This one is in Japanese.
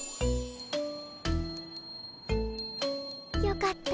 よかった。